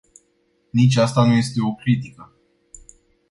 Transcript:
Nici asta nu este o critică.